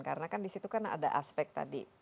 karena kan di situ ada aspek tadi